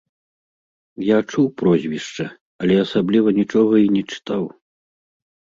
Я чуў прозвішча, але асабліва нічога і не чытаў.